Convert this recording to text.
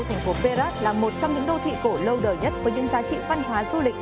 thành phố perut là một trong những đô thị cổ lâu đời nhất với những giá trị văn hóa du lịch